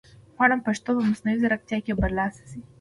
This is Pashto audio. غواړم پښتو په مصنوعي ځیرکتیا کې برلاسې شي